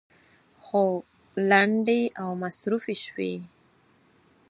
خو لنډې او مصروفې شوې.